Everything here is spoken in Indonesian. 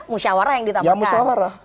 musyawarah yang ditemukan ya musyawarah